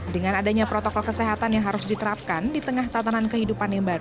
dengan adanya protokol kesehatan yang harus diterapkan di tengah tatanan kehidupan yang baru